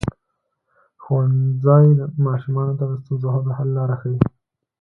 ښوونځی ماشومانو ته د ستونزو د حل لاره ښيي.